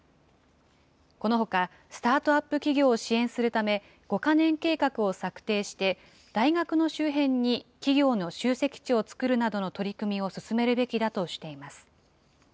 このほか、スタートアップ企業を支援するため、５か年計画を策定して、大学の周辺に企業の集積地を作るなどの取り組みを進めるべきだとしています。